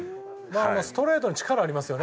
ストレートに力ありますよね。